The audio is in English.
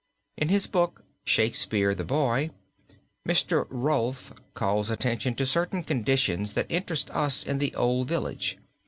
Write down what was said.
In his book, "Shakespeare the Boy," Mr. Rolfe calls attention to certain conditions that interest us in the old village.